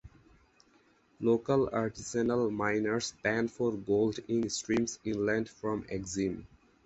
Local artisanal miners pan for gold in streams inland from Axim.